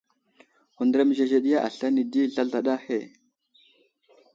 Hundar məzezeɗiya aslane di, zlazlaɗa ahe.